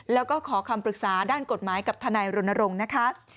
แล้วก็ขอคำปรึกษาด้านกฎหมายกับทนายรณรงค์นะคะ